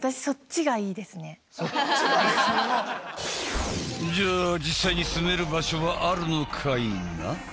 そっちが？じゃあ実際に住める場所はあるのかいな？